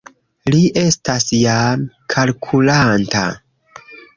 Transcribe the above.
Li estas jam kalkulanta